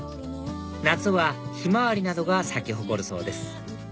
夏はヒマワリなどが咲き誇るそうです